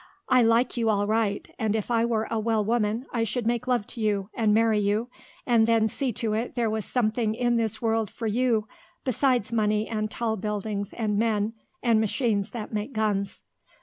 "I like you all right and if I were a well woman I should make love to you and marry you and then see to it there was something in this world for you besides money and tall buildings and men and machines that make guns."